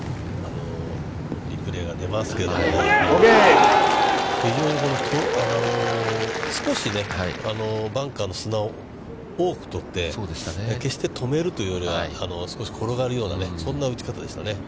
リプレーが出ますけども、少しね、バンカーの砂を多く取って、止めるというよりは、少し転がるような、そんな打ち方でしたね。